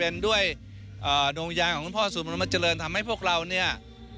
อ่าโดยงานของคุณพ่อสูตรพนมเจริญทำให้พวกเราเนี่ยเอ่อ